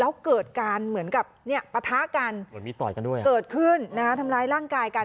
แล้วเกิดการเหมือนกับปะทะกันเกิดขึ้นทำร้ายร่างกายกัน